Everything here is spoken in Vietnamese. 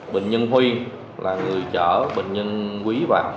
bệnh nhân huy là người chở bệnh nhân quý và